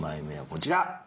こちら。